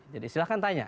jadi silahkan tanya